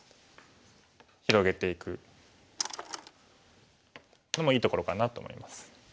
広げていくのもいいところかなと思います。